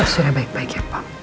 sudah baik baik ya pak